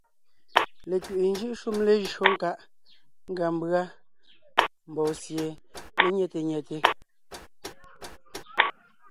Lekwiʼi njʉ́ʼ shúm lejÿó nkáʼ ngʉa mbʉ́a mbɔɔ sie mé nyɛ̂te nyɛte.